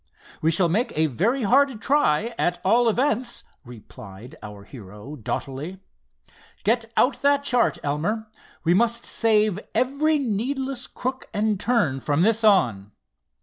"We shall make a very hard try, at all events," replied our hero, doughtily. "Get out the chart, Elmer. We must save every needless crook and turn from this on."